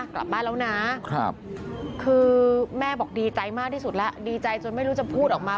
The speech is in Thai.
กลับบ้านแล้วนะคือแม่บอกดีใจมากที่สุดแล้วดีใจจนไม่รู้จะพูดออกมา